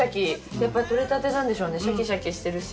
やっぱり採れたてなんでしょうねシャキシャキしてるし。